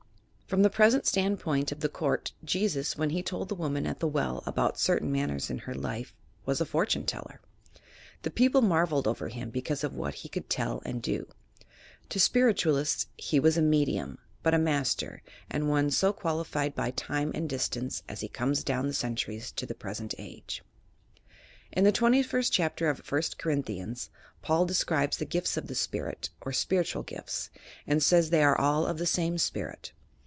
From the present standpoint of the court, Jesus, when he told the woman at the well about certain matters in her life, was a "fortune teller." The people marvelled over Him because of what He could tell and do. To Spiritualists He was a medium, but a Master, and one so qualified by time and distance as 272 PROPHECY VS. FORTUNE TELLING 273 He comes down the ccnturicB to the present age. In the 21 Bt Chapter of 1st Corinthians, Paul describes the gifts of the Spirit (or spiritual gifts) and says they ate all of the same spirit.